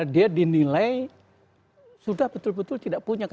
dia dinilai sudah betul betul tidak punya